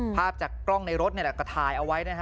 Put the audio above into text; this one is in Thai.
ภาพจากกล้องในรถนี่แหละก็ถ่ายเอาไว้นะฮะ